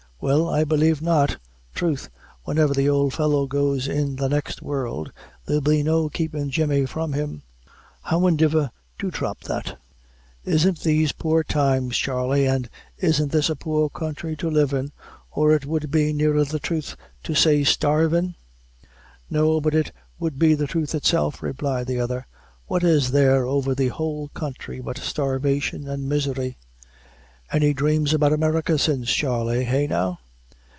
"Well, I b'lieve not. Throth, whenever the ould fellow goes in the next world, there'll be no keepin' Jemmy from him. Howandiver, to dhrop that. Isn't these poor times, Charley, an' isn't this a poor counthry to live in or it would be nearer the truth to say starve in?" "No, but it would be the truth itself," replied the other. "What is there over the whole counthry but starvation and misery?" "Any dhrames about America since, Charley? eh, now?"